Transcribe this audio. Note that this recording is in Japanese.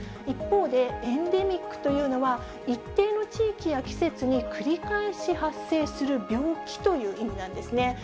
一方で、エンデミックというのは、一定の地域や季節に繰り返し発生する病気という意味なんですね。